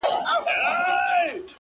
• سپرېدل به پر ښايستو مستو آسونو,